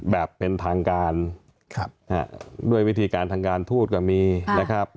แบบเป็นทางการด้วยวิธีการทางการทูตก็มีนะครับ